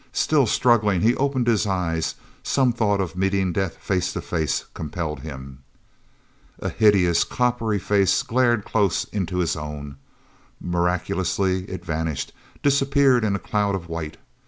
Still struggling he opened his eyes; some thought of meeting death face to face compelled him. hideous coppery face glared close into his own. Miraculously it vanished, disappeared in a cloud of white.